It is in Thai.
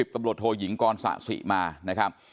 ตำรวจโทยิงกรสะสิมานะครับ